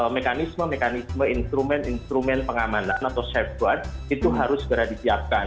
mekanisme mekanisme instrumen instrumen pengamanan atau safeguard itu harus segera disiapkan